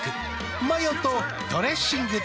マヨとドレッシングで。